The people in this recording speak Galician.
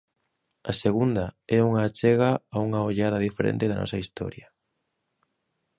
A segunda é unha achega a unha ollada diferente da nosa historia.